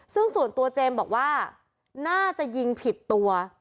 ซึ่งส่วนตัวเจมส์บอกว่าน่าจะยิงผิดตัว